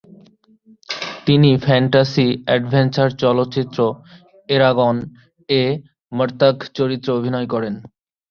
তিনি ফ্যান্টাসি-অ্যাডভেঞ্চার চলচ্চিত্র "এরাগন"-এ মার্তাগ চরিত্রে অভিনয় করেন।